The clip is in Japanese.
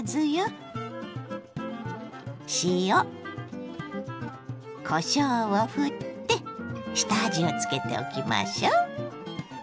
塩こしょうをふって下味をつけておきましょう。